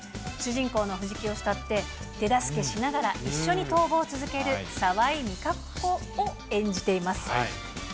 主人公の藤木をしたって、手助けしながら一緒に逃亡を続ける沢井美香子を演じています。